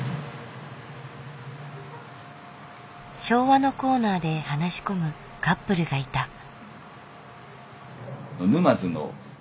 昭和のコーナーで話し込むカップルがいた。